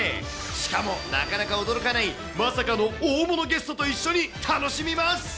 しかもなかなか驚かない、まさかの大物ゲストと一緒に楽しみます。